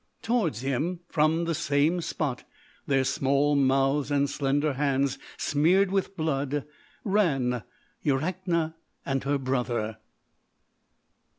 Towards him, from the same spot their small mouths and slender hands smeared with blood ran Yarakna and her brother.